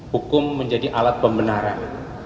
hukum menjadi alat pembenaran